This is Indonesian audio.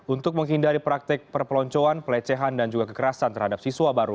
untuk menghindari praktek perpeloncoan pelecehan dan juga kekerasan terhadap siswa baru